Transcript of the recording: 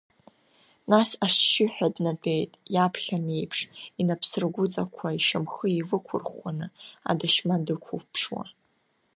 Нас ашышьыҳәа днатәеит, иаԥхьан еиԥш, инапсыргуҵақуа ишьамхы илықурӷуӷуаны, адашьма дықуԥшуа.